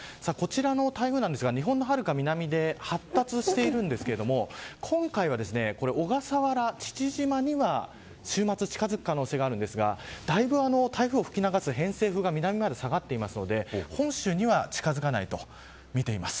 こちらの台風、日本のはるか南で発達しているんですが今回は、小笠原父島には週末近づく可能性があるんですがだいぶ台風を吹き荒らす偏西風が南まで下がっていて本州には近づかないと見ています。